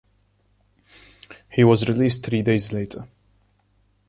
He was released three days later.